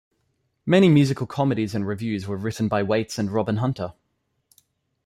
Many musical comedies and revues were written by Waites and Robin Hunter.